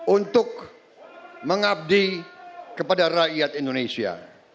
untuk mengabdi kepada rakyat indonesia